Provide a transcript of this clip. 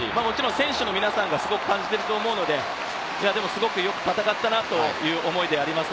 選手の皆さんがすごく感じていると思うので、よく戦ったなという思いであります。